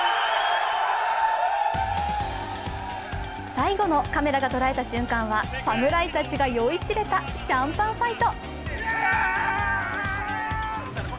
最後の、カメラが捉えた瞬間は、侍たちが酔いしれたシャンパンファイト。